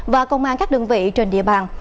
và công an các đơn vị trên địa bàn